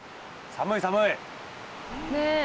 寒い寒い。